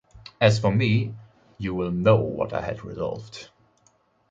As for me, you will know what I had resolved.